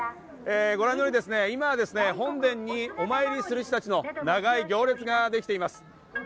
ご覧のように今は本殿にお参りする人たちの長い行列ができています。